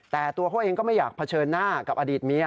แต่ตัวเขาเองก็ไม่อยากเผชิญหน้ากับอดีตเมีย